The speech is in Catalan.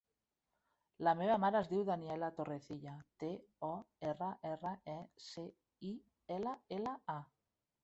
La meva mare es diu Daniella Torrecilla: te, o, erra, erra, e, ce, i, ela, ela, a.